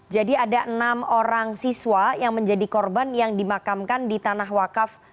jadi ada enam orang siswa yang menjadi korban yang dimakamkan di tanah wakaf